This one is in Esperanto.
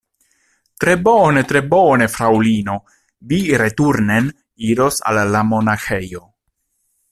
Tre bone, tre bone, Fraŭlino, vi returnen iros al la monaĥejo